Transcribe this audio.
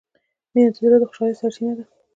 مینه د زړه د خوشحالۍ سرچینه ده.